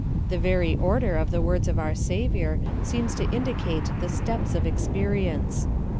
The verj^ order of the words of our Savior seems to indicate the steps of experience.